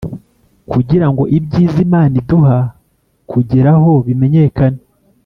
kugira ngo ibyiza imana iduha kugeraho bimenyekane,